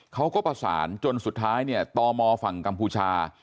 เขาก็ประสานจนสุดท้ายเนี่ยตมฝั่งกัมพูชา